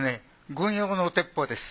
軍用の鉄砲です。